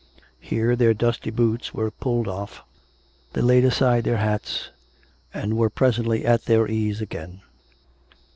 Here their dusty boots were pulled off; they laid aside their hats, and were presently at their ease again.